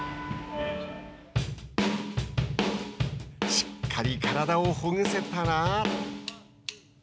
しっかり体をほぐせたら。